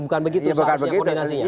bukan begitu seharusnya koordinasinya